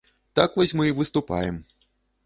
Так вось мы і выступаем.